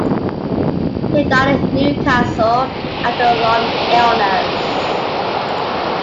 He died in Newcastle after a long illness.